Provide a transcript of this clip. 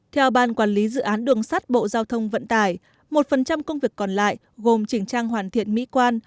theo ban quản lý dự án đường sắt bộ giao thông vận tải một công việc còn lại gồm chỉnh trang hoàn thiện mỹ quan